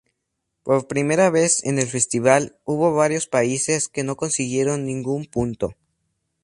Por primera vez en el festival, hubo varios países que no consiguieron ningún punto.